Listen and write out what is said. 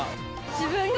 自分が。